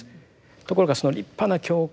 ところが立派な教会